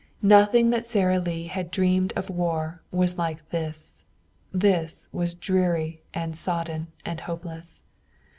Nothing that Sara Lee had dreamed of war was like this. This was dreary and sodden and hopeless.